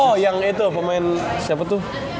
oh yang itu pemain siapa tuh